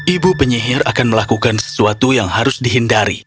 ibu penyihir akan melakukan sesuatu yang harus dihindari